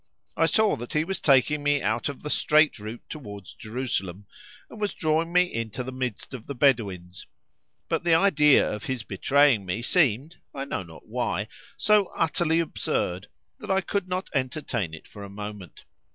I saw that he was taking me out of the straight route towards Jerusalem, and was drawing me into the midst of the Bedouins; but the idea of his betraying me seemed (I know not why) so utterly absurd, that I could not entertain it for a moment.